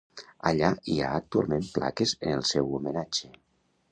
Allà hi ha actualment plaques en el seu homenatge.